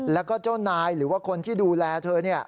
แล้วก็เจ้านายหรือว่าคนที่ดูแลเธอ